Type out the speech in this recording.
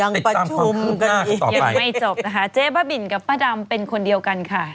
ยังประชุมกันอีกยังไม่จบนะคะเจ๊บ้าบินกับป้าดำเป็นคนเดียวกันค่ะ